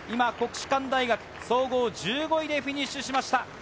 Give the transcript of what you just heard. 国士舘大学、総合１５位でフィニッシュしました。